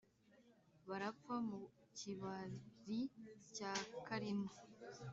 barapfa mu kibari cya kalima